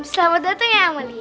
selamat datang ya amalia